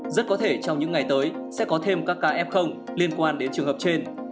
rất có thể trong những ngày tới sẽ có thêm các ca f liên quan đến trường hợp trên